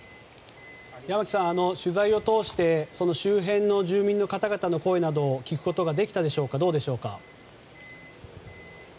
山木さん、取材を通して周辺の住民の方々の声など聞くことができたでしょうか。